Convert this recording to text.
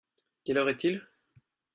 Quelle heure est-il ?